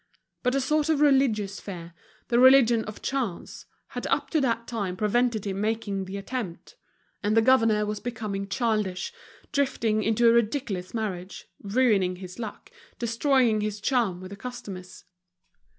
But a sort of religious fear, the religion of chance, had up to that time prevented him making the attempt. And the governor was becoming childish, drifting into a ridiculous marriage, ruining his luck, destroying his charm with the customers.